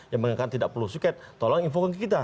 yang mengatakan tidak perlu suket tolong infokan ke kita